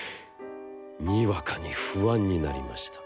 俄に不安になりました。